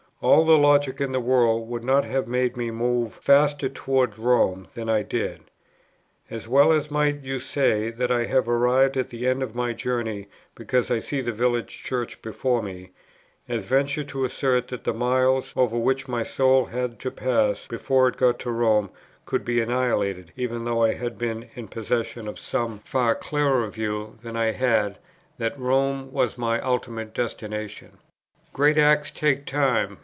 All the logic in the world would not have made me move faster towards Rome than I did; as well might you say that I have arrived at the end of my journey, because I see the village church before me, as venture to assert that the miles, over which my soul had to pass before it got to Rome, could be annihilated, even though I had been in possession of some far clearer view than I then had, that Rome was my ultimate destination. Great acts take time.